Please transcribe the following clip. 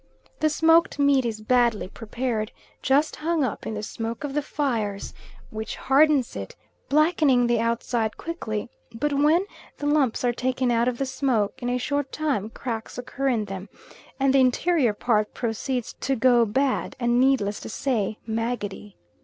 The smoked meat is badly prepared, just hung up in the smoke of the fires, which hardens it, blackening the outside quickly; but when the lumps are taken out of the smoke, in a short time cracks occur in them, and the interior part proceeds to go bad, and needless to say maggoty.